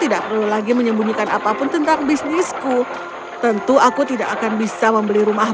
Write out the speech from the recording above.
tidak perlu lagi menyembunyikan apapun tentang bisnisku tentu aku tidak akan bisa membeli rumah